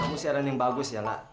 kamu siaran yang bagus ya nak